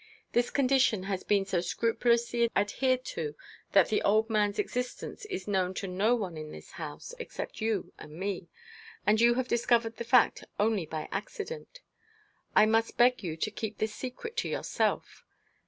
This condition has been so scrupulously adhered to that the old man's existence is known to no one in this house except you and me; and you have discovered the fact only by accident. I must beg you to keep this secret to yourself.